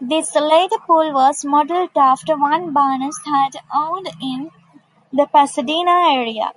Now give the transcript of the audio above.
This later pool was modeled after one Barnes had owned in the Pasadena area.